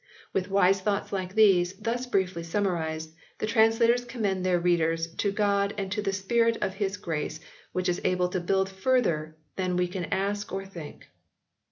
With wise thoughts like these, thus briefly summarised, the translators com mend their readers to God and to the Spirit of His grace, which is able to build further than we can ask or think.